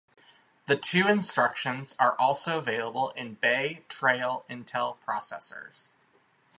The two instructions are also available in Bay-Trail Intel processors.